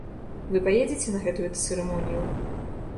Вы паедзеце на гэтую цырымонію?